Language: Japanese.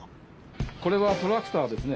これはトラクターですね。